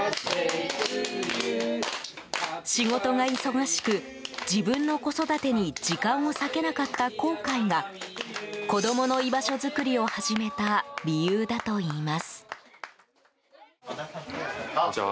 仕事が忙しく、自分の子育てに時間を割けなかった後悔が子供の居場所作りを始めた理由だといいます。